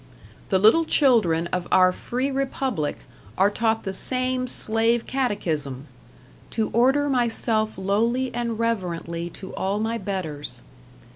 The little children of our free republic are taught the same slave catechism, "to order myself lowly and reverently to all my betters."